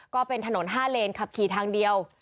ก็เป็นถนน๕เลนขับขี่ทางเดียว